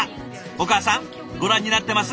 お母さんご覧になってます？